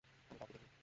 আমি কাউকে দেখিনি।